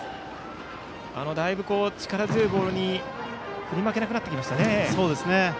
だいぶ力強いボールに振り負けなくなってきました。